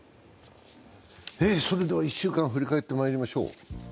それでは１週間振り返ってまいりましょう。